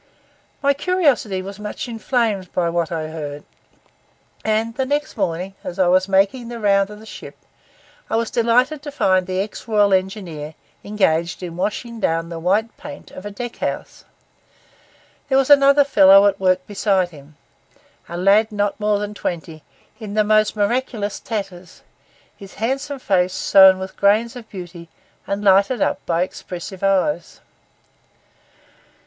My curiosity was much inflamed by what I heard; and the next morning, as I was making the round of the ship, I was delighted to find the ex Royal Engineer engaged in washing down the white paint of a deck house. There was another fellow at work beside him, a lad not more than twenty, in the most miraculous tatters, his handsome face sown with grains of beauty and lighted up by expressive eyes.